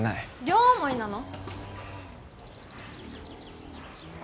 両思いなの？